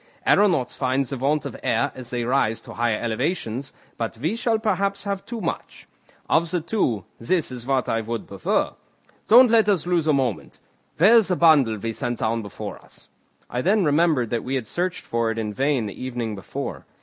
Aeronauts find the want of air as they rise to high elevations, but we shall perhaps have too much: of the two, this is what I should prefer. Don't let us lose a moment. Where is the bundle we sent down before us?" I then remembered that we had searched for it in vain the evening before.